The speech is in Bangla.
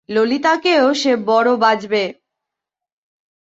ললিতাকেও সে বড়ো বাজবে।